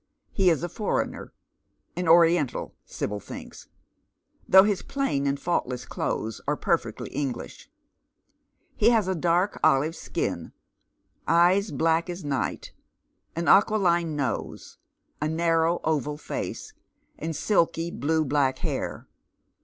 He is a foreigner — an Oiiental — Sibyl thinks, though his plain and fault less clothes are perfectly English. He has a dark olive skin, eyes black as night, an aquiline nose, a narrow oval face, and silky blue black hair.